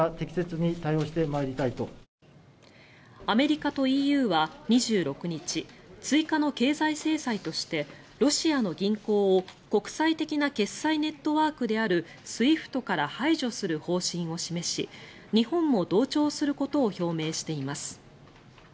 アメリカとＥＵは２６日追加の経済制裁としてロシアの銀行を国際的な決済ネットワークであるＳＷＩＦＴから排除する方針を示し日本も同調することを表明しています。